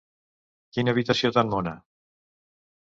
Quina habitació tan mona!